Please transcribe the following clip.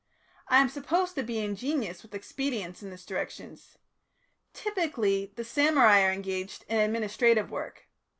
I am supposed to be ingenious with expedients in this direction. Typically, the samurai are engaged in administrative work.